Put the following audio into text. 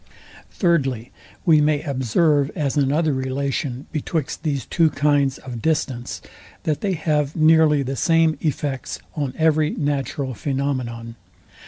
Thirdly, We may observe, as another relation betwixt these two kinds of distance, that they have nearly the same effects on every natural phænomenon.